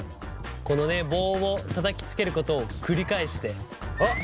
このね棒をたたきつけることを繰り返して。